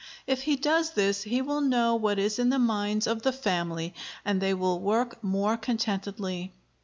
If he does this, he will know what is in the minds of the family and they will work more contentedly.